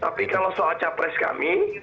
tapi kalau soal capres kami